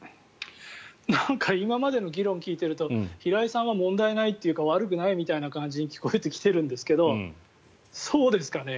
なんか今までの議論を聞いていると平井さんは問題ないというか悪くないというふうに聞こえてきてるんですけどそうですかね。